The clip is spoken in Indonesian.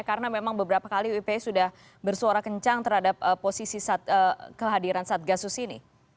karena memang beberapa kali ipw sudah bersuara kencang terhadap posisi kehadiran sergasus ini